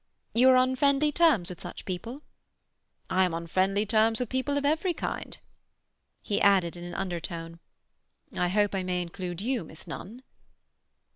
"You are on friendly terms with such people?" "I am on friendly terms with people of every kind." He added, in an undertone, "I hope I may include you, Miss Nunn?"